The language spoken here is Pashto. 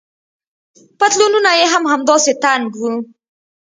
پتلونونه يې هم همداسې تنګ وو.